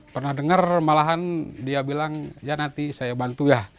pernah dengar malahan dia bilang ya nanti saya bantu ya